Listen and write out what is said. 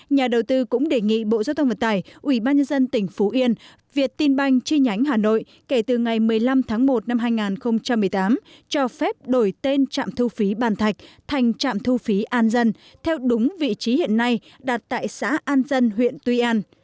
nhà đầu tư cũng đề nghị bộ giao thông vận tải ủy ban nhân dân tỉnh phú yên việt tin banh chi nhánh hà nội kể từ ngày một mươi năm tháng một năm hai nghìn một mươi tám cho phép đổi tên trạm thu phí bàn thạch thành trạm thu phí an dân theo đúng vị trí hiện nay đặt tại xã an dân huyện tuy an